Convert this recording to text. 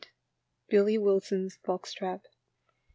billy wilsox's box trap.